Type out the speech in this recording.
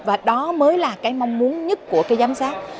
và đó mới là cái mong muốn nhất của cái giám sát